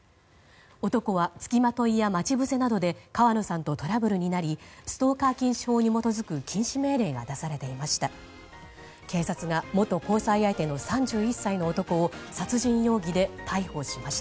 男は付きまといや待ち伏せなどで川野さんとトラブルになりストーカー禁止法に基づく禁止命令が出されていました。